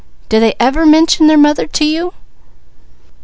"Do they ever mention their mother to you?"